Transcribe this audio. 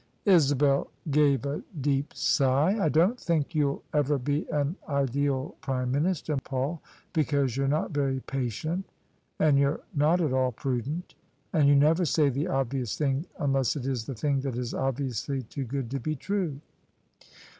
Isabel gave a deep sigh. " I don't think you'll ever be an ideal Prime Minister, Paul: because you're not very patient, and you're not at all prudent, and you never say the obvious thing unless it is the thing that is obviously too good to be true."